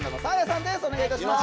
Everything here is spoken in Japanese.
お願いいたします。